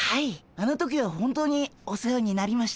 あの時は本当にお世話になりました。